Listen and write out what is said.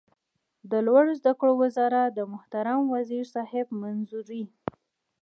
د لوړو زده کړو وزارت د محترم وزیر صاحب منظوري